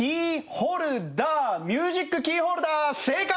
「ホル」「ダー」ミュージックキーホルダー正解！